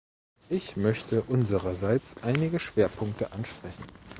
Ich möchte unsererseits einige Schwerpunkte ansprechen.